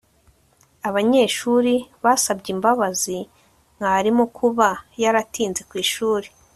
abanyeshuri basabye imbabazi mwarimu kuba yaratinze ku ishuri